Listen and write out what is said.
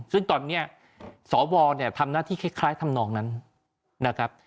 ซึ่งตอนนี้สวเนี่ยทำหน้าที่คล้ายธรรมนองนั้นนะครับ